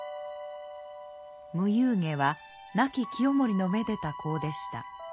無憂華は亡き清盛のめでた香でした。